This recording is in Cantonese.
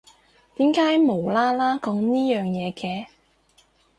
點解無啦啦講呢樣嘢嘅？